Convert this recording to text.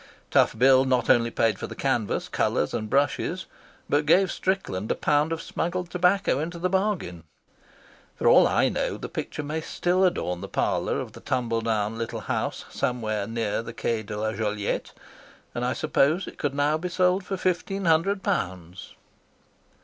Tough Bill not only paid for the canvas, colours, and brushes, but gave Strickland a pound of smuggled tobacco into the bargain. For all I know, this picture may still adorn the parlour of the tumbledown little house somewhere near the Quai de la Joliette, and I suppose it could now be sold for fifteen hundred pounds.